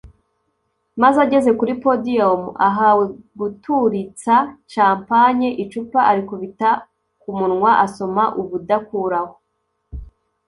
maze ageze kuri podium ahawe guturitsa ‘champagne’ icupa arikubita ku munwa asoma ubudakuraho